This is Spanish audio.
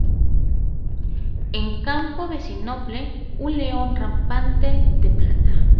En campo de sinople, un león rampante, de plata.